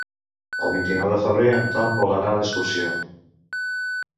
El vint-i-nou de febrer en Ton vol anar d'excursió.